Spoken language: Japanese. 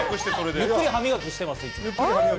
ゆっくり歯磨きしています。